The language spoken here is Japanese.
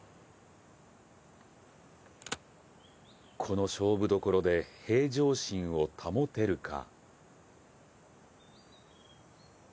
この勝負どころで平常心を保てるか。